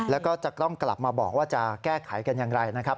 แล้วก็จะต้องกลับมาบอกว่าจะแก้ไขกันอย่างไรนะครับ